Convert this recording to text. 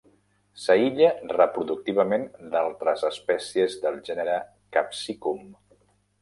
S'aïlla reproductivament d'altres espècies del gènere "Capsicum".